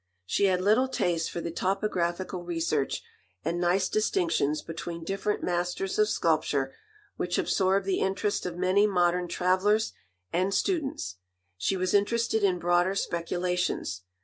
She had little taste for the topographical research and nice distinctions between different masters of sculpture which absorb the interest of many modern travellers and students. She was interested in broader speculations.